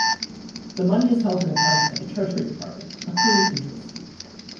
The money is held in accounts at the Treasury Department, accruing interest.